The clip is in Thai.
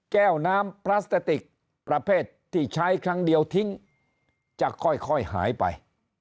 แก้วน้ำพลาสติกประเภทที่ใช้ครั้งเดียวทิ้งจะค่อยหายไป